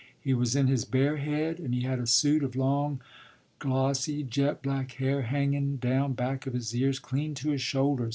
He was in his bare head, and he had a suit of long, glossy, jet black hair hengun down back of his ears clean to his shoulders.